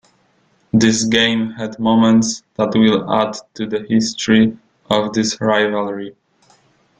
This game had moments that will add to the history of this rivalry.